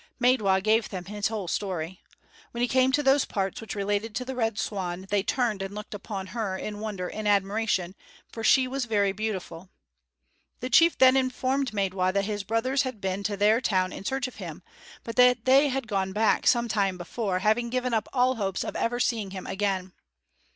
Maidwa gave them his whole story. When he came to those parts which related to the Red Swan, they turned and looked upon her in wonder and admiration, for she was very beautiful. The chief then informed Maidwa that his brothers had been to their town in search of him, but that they had gone back some time before, having given up all hopes of ever seeing him again.